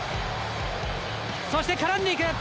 そして絡んでいく。